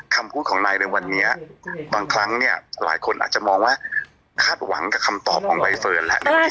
คำพูดของนายในวันนี้บางครั้งเนี่ยหลายคนอาจจะมองว่าคาดหวังกับคำตอบของใบเฟิร์นแล้ว